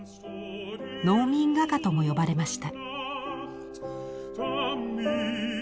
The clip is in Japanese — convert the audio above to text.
「農民画家」とも呼ばれました。